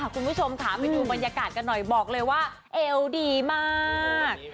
คุณผู้ชมค่ะไปดูบรรยากาศกันหน่อยบอกเลยว่าเอวดีมาก